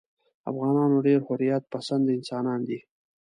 افغانان ډېر حریت پسنده انسانان دي.